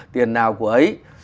tiền nào của ấy